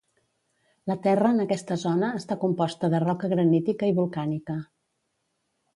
La terra en aquesta zona està composta de roca granítica i volcànica.